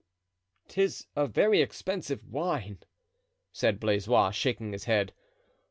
"'Tis a very expensive wine," said Blaisois, shaking his head.